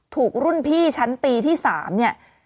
ถูกรุ่นพี่ชั้นปีที่๓เนี่ย